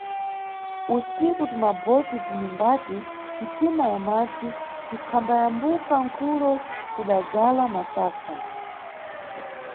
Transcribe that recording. Usiku tumabote tuningati xitima ya mʼmadzi tukhambayambuka mkulo tudadzala masakha.